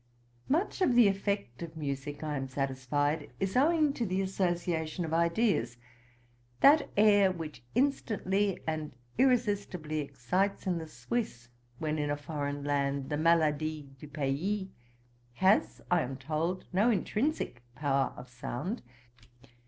Much of the effect of musick, I am satisfied, is owing to the association of ideas. That air, which instantly and irresistibly excites in the Swiss, when in a foreign land, the maladie du pais, has, I am told, no intrinsick power of sound.